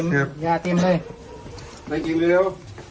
เกลียดเกลียดเลย